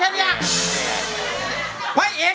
ซูอร์โน